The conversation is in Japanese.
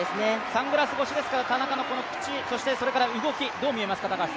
サングラス越しですが田中の口、動きどう見えますか？